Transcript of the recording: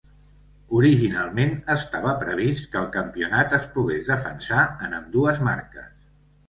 Originalment estava previst que el campionat es pogués defensar en ambdues marques.